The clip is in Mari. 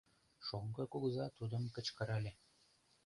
Шоҥго кугыза тудым кычкырале.